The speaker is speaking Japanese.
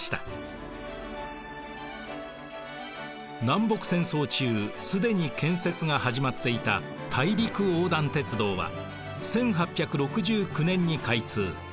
南北戦争中既に建設が始まっていた大陸横断鉄道は１８６９年に開通。